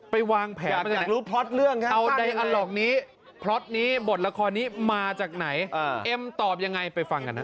ไปวางแผนเอาไดอัลลอกนี้บทละครนี้มาจากไหนเอ็มตอบยังไงไปฟังกันนะ